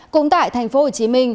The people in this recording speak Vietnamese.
cũng tại tp hồ chí minh